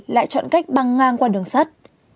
lại chọn cách băng ngang qua đường sắt